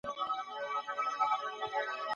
وګړپوهنه ځان د کلتوري انسان مطالعه کوونکی علم بولي.